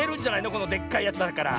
このでっかいやつだから。